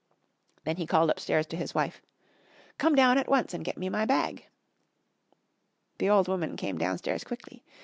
And he called upstairs to his wife, "Come down at once and get me my bag." The old woman came downstairs quickly.